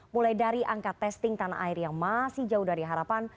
mulai dari angka testing tanah air yang masih jauh dari harapan